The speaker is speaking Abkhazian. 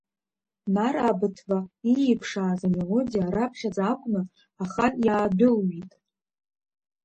Нар Абаҭба ииԥшааз амелодиа раԥхьаӡа акәны Ахан иаадәылҩит.